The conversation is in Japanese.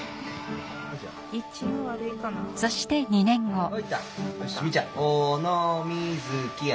そして２年後。